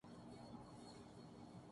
Chief justice صاحب نے ایک اور زیادتی بھی کی۔